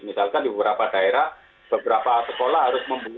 misalkan di beberapa daerah beberapa sekolah harus membuka